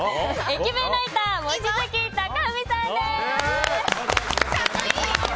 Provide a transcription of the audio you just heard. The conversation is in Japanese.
駅弁ライター、望月崇史さんです。